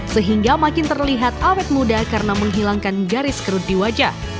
sehingga makin terlihat awet muda karena menghilangkan garis kerut di wajah